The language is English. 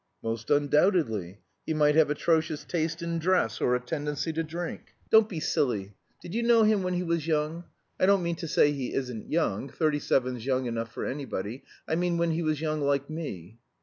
"Most undoubtedly. He might have atrocious taste in dress, or a tendency to drink." "Don't be silly. Did you know him when he was young? I don't mean to say he isn't young thirty seven's young enough for anybody I mean when he was young like me?"